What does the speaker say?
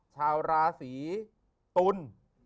ชาวราศีตุล